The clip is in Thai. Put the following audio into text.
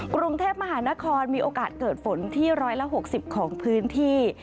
กรุงเทพมหานครมีโอกาสเกิดฝนที่๑๖๐ของพื้นที่